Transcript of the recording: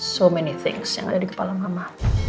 so mini things yang ada di kepala mama